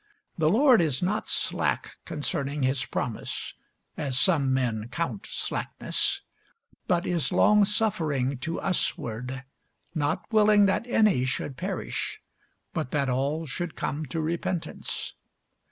The Lord is not slack concerning his promise, as some men count slackness; but is longsuffering to us ward, not willing that any should perish, but that all should come to repentance.